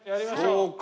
そうか。